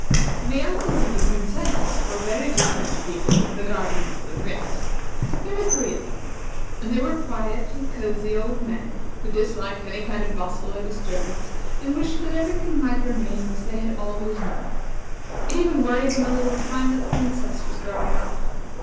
The uncles of the Princess were very different people from the guardians of the Prince. There were three of them, and they were very quiet and cosey old men, who disliked any kind of bustle or disturbance, and wished that every thing might remain as they had always known it. It even worried them a little to find that the Princess was growing up.